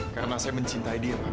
karena saya mencintai dia pak